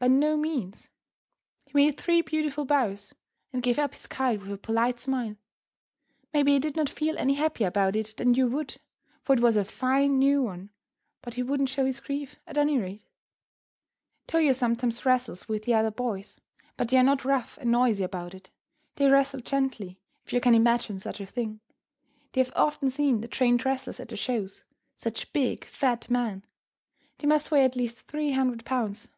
By no means! He made three beautiful bows and gave up his kite with a polite smile. Maybe he did not feel any happier about it than you would, for it was a fine new one, but he wouldn't show his grief, at any rate. Toyo sometimes wrestles with the other boys, but they are not rough and noisy about it. They wrestle gently, if you can imagine such a thing. They have often seen the trained wrestlers at the shows; such big, fat men. They must weigh at least three hundred pounds.